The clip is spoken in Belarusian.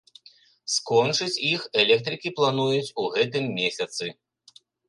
Скончыць іх электрыкі плануюць у гэтым месяцы.